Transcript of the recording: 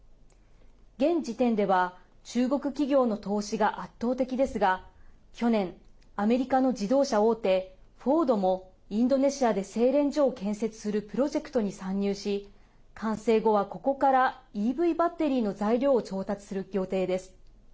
現時点では中国企業の投資が圧倒的ですが去年、アメリカの自動車大手フォードもインドネシアで製錬所を建設するプロジェクトに参入し完成後は、ここからＥＶバッテリーの材料を調達する予定です。